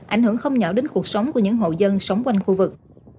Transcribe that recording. ảnh hưởng không nhỏ đến cuộc sống của những hộ dân sống quanh khu vực